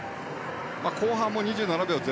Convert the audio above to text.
後半も２７秒０７